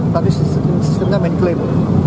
tapi sistemnya main klaim